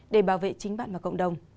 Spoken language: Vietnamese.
để bảo vệ chính bạn và cộng đồng